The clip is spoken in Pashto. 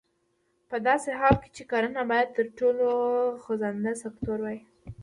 په داسې حال کې چې کرنه باید تر ټولو خوځنده سکتور وای.